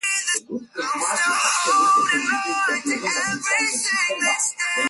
ghasia zilizochochewa na watu wanaoshukiwa kuwa wafuasi wa chama tawala